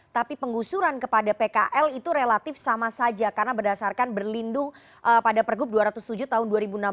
tapi penggusuran kepada pkl itu relatif sama saja karena berdasarkan berlindung pada pergub dua ratus tujuh tahun dua ribu enam belas